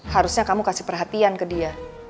harusnya kamu kasih perhatian ke dia